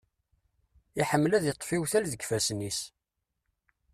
Iḥemmel ad iṭṭef iwtal deg ifassen-is.